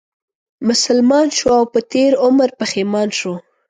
مسلمان شو او په تېر عمر پښېمان شو